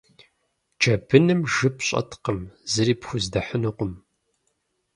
Джэбыным жып щӏэткъым, зыри пхуздэхьынукъым.